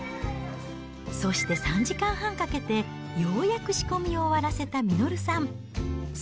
そして３時間半かけて、ようやく仕込みを終わらせた実さん。